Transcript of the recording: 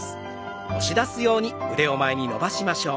押し出すように前に伸ばしましょう。